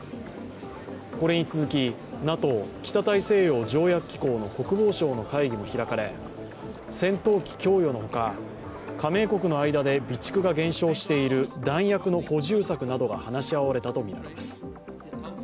これに続き、ＮＡＴＯ＝北大西洋条約機構の国防相の会議も開かれ、戦闘機供与のほか、加盟国の間で備蓄が減少している弾薬の補充策などが話し合われたとみられます。